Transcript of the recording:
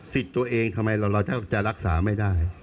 ตัวเองทำไมเราจะรักษาไม่ได้